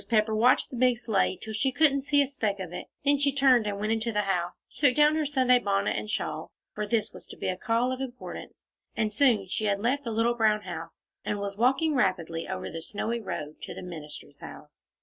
Pepper watched the big sleigh till she couldn't see a speck of it; then she turned and went into the house, took down her Sunday bonnet and shawl, for this was to be a call of importance, and soon she had left the little brown house, and was walking rapidly over the snowy road to the minister's house.